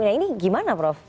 nah ini gimana prof